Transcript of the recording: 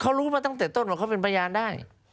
เขารู้มาตั้งแต่ต้นว่าเขาเป็นพยานได้